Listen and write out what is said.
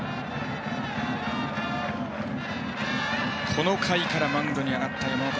この回からマウンドに上がった山岡。